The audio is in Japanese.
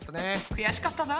くやしかったな。